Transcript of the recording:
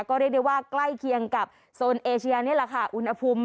ก็เรียกได้ว่าใกล้เคียงกับโซนเอเชียนี่แหละค่ะอุณหภูมิ